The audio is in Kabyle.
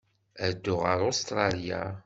Ad dduɣ ɣer Ustṛalya.